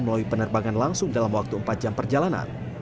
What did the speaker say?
melalui penerbangan langsung dalam waktu empat jam perjalanan